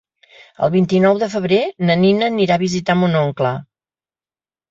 El vint-i-nou de febrer na Nina anirà a visitar mon oncle.